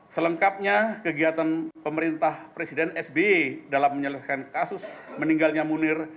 selengkapnya kegiatan pemerintah presiden sby dalam menyelesaikan kasus meninggalnya munir